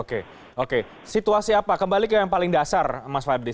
oke oke situasi apa kembali ke yang paling dasar mas fadli